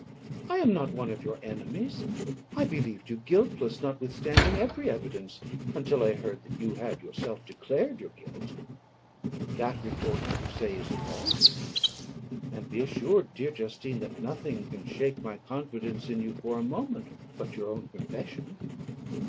I am not one of your enemies; I believed you guiltless, notwithstanding every evidence, until I heard that you had yourself declared your guilt. That report, you say, is false; and be assured, dear Justine, that nothing can shake my confidence in you for a moment, but your own confession."